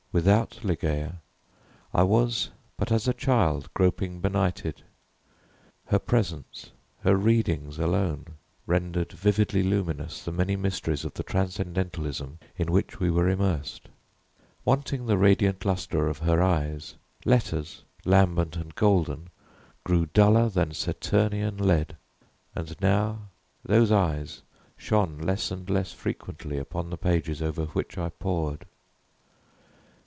Without Ligeia I was but as a child groping benighted. Her presence, her readings alone, rendered vividly luminous the many mysteries of the transcendentalism in which we were immersed. Wanting the radiant luster of her eyes, letters, lambent and golden, grew duller than Saturnian lead. And now those eyes shone less and less frequently upon the pages over which I pored.